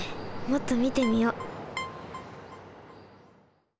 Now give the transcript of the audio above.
もっとみてみよう。